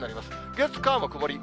月、火も曇り。